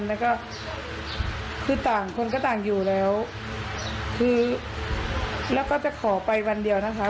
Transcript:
แล้วก็คือต่างคนก็ต่างอยู่แล้วคือแล้วก็จะขอไปวันเดียวนะคะ